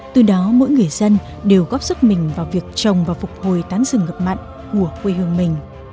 từ đó mỗi người dân đều góp sức mình vào việc trồng và phục hồi tán rừng ngập mặn của quê hương mình